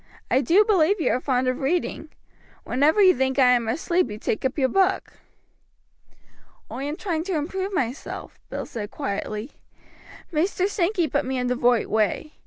I do believe you are fond of reading. Whenever you think I am asleep you take up your book." "Oi am trying to improve myself," Bill said quietly. "Maister Sankey put me in the roight way.